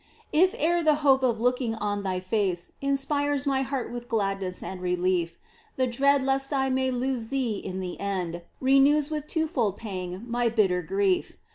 If e'er the hope of looking on Thy face Inspires my heart with gladness and relief, The dread lest I may lose Thee in the end Renews with twofold pang my bitter grief.